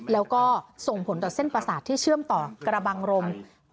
แล้วก็ส่งผลต่อเส้นประสาทที่เชื่อมต่อกระบังรม